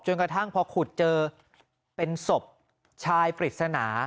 กระทั่งพอขุดเจอเป็นศพชายปริศนา